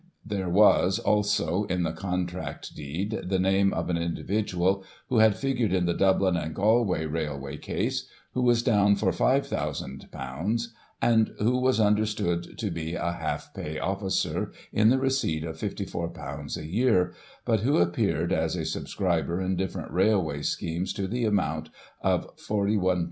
There was, also, in the Contract deed, the name of an individual who had figured in the Dublin and Galway Railway Case, who was down for ;£'5,ooo, and who was under stood to be a half pay officer, in the receipt of £54 a year, but who appeared as a subscriber in different railway schemes to the amount of ;£'4 1,500.